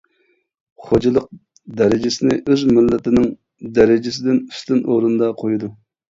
‹خوجىلىق› دەرىجىسىنى ئۆز مىللىتىنىڭ دەرىجىسىدىن ئۈستۈن ئورۇندا قويىدۇ.